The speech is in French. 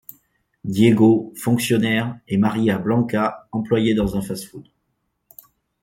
Diego, fonctionnaire, est marié à Blanca, employée dans un fast-food.